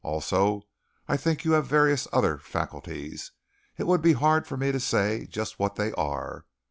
Also, I think you have various other faculties it would be hard for me to say just what they are.